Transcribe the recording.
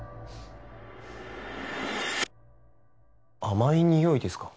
甘い匂いですか？